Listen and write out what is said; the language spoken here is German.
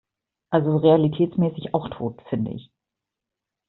Also realitätsmäßig auch tot - finde ich.